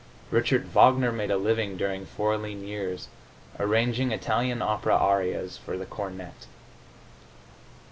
Richard Wagner made a living, during four lean years, arranging Italian opera arias for the cornet.